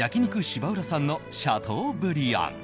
芝浦さんのシャトーブリアン